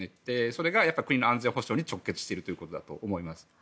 それが国の安全保障に直結しているということだと思います。